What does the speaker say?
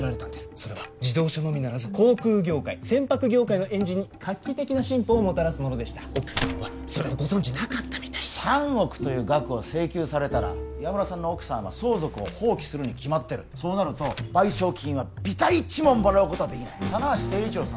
それは自動車のみならず航空業界船舶業界のエンジンに画期的な進歩をもたらすもの奥さんはそれをご存じなかった３億という額を請求されたら岩村さんの奥さんは相続を放棄するに決まってるそうなると賠償金はびた一文もらうことはできない棚橋政一郎さん